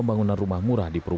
mengaturnya seperti apa